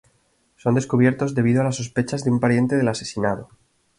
Son descubiertos debido a las sospechas de un pariente del asesinado.